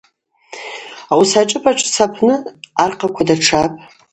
Ауаса ашӏыпӏа шӏыц апны архъаква датшапӏ.